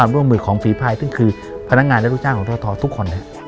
ซึ่งคือพนักงานและรู้จักรของท่อทุกคน